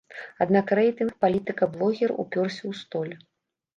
Аднак рэйтынг палітыка-блогера ўпёрся ў столь.